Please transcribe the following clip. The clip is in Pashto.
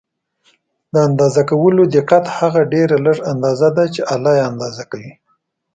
د اندازه کولو دقت هغه ډېره لږه اندازه ده چې آله یې اندازه کوي.